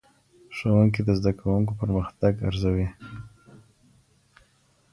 ښوونکی د زدهکوونکو پرمختګ ارزوي.